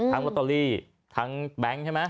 ลอตเตอรี่ทั้งแบงค์ใช่ไหม